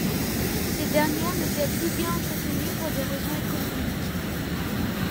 Ces dernières n'étaient plus bien entretenues pour des raisons économiques.